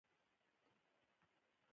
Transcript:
په هغه وخت کې سپین ږیری وو.